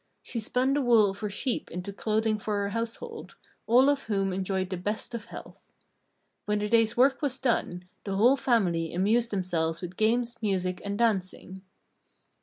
She spun the wool of her sheep into clothing for her household, all of whom enjoyed the best of health. When the day's work was done, the whole family amused themselves with games, music, and dancing.